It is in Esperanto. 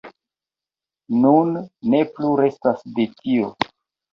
Nun ne plu restas de tio.